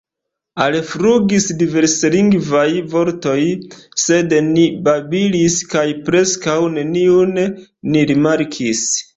Alflugis diverslingvaj vortoj, sed ni babilis kaj preskaŭ neniun ni rimarkis.